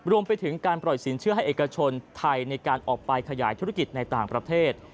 รวมไปถึงการปล่อยสินเชื่อให้เอกชนไทยในการออกไปขยายธุรกิจในต่างประเทศ